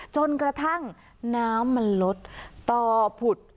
จนกระทั่งน้ำมันลดต่อผุด